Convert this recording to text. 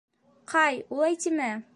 Кай, улай тимә!